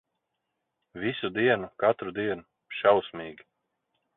Visu dienu, katru dienu. Šausmīgi.